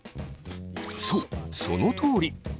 そうそのとおり。